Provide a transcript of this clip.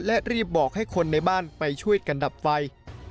และรีบบอกให้คนในบ้านไปช่วยกันดับไฟ